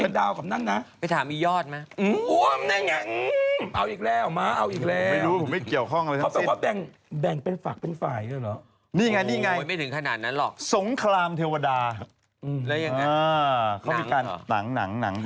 นางหนังเป็นหนัง